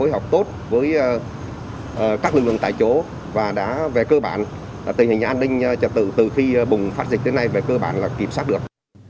học tốt với các lực lượng tại chỗ và đã về cơ bản tình hình an ninh trật tự từ khi bùng phát dịch đến nay về cơ bản là kiểm soát được